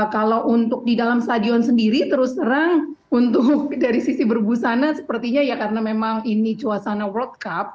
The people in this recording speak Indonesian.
kalau untuk di dalam stadion sendiri terus terang untuk dari sisi berbusana sepertinya ya karena memang ini suasana world cup